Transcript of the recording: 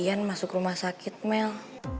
kemudian masuk rumah sakit mel